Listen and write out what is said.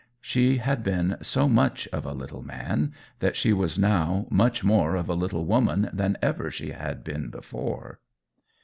She had been so much of a little man that she was now much more of a little woman than ever she had been before.